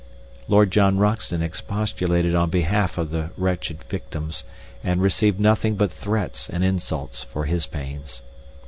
Lord John Roxton expostulated on behalf of the wretched victims, and received nothing but threats and insults for his pains.